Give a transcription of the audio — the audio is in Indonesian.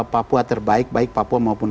papua terbaik baik papua maupun